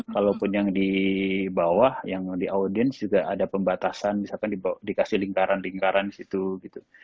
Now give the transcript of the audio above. kalaupun yang di bawah yang di audiens juga ada pembatasan misalkan dikasih lingkaran lingkaran di situ gitu